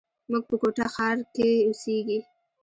موږ په کوټه ښار کښي اوسېږي.